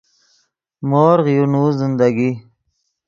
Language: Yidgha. مورغ یو نوؤ زندگی